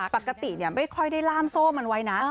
ปกติไม่ค่อยได้ล่ามโซ่มันไว้นะ